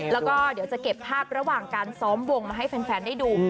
แล้วก็เดี๋ยวจะเก็บภาพระหว่างการซ้อมวงมาให้แฟนได้ดู